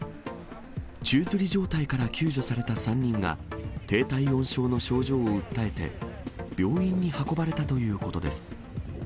宙づり状態から救助された３人が、低体温症の症状を訴えて、病院に運ばれたということです。